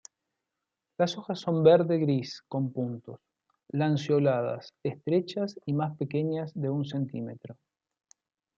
Las hojas son verde-gris con puntos, lanceoladas, estrechas y más pequeñas de un centímetro.